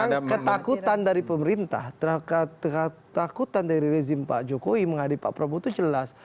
jadi memang ketakutan dari pemerintah ketakutan dari rezim pak jokowi menghadapi pak prabowo itu jelas